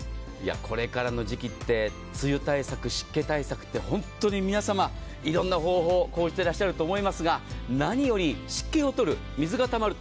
これからの時期って梅雨対策、湿気対策って本当に皆様色んな方法を講じていらっしゃると思いますが何より、湿気を取ると水がたまる。